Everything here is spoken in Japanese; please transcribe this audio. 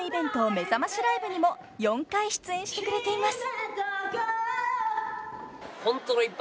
めざましライブにも４回出演してくれています］